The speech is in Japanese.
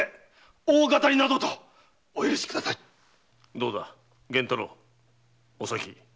どうだ源太郎お咲。